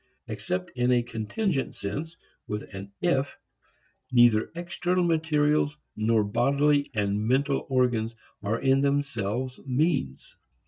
Except in a contingent sense, with an "if," neither external materials nor bodily and mental organs are in themselves means.